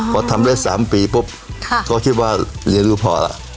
พอทำได้๓ปีปุ๊บก็คิดว่าเรียนรู้พอแล้ว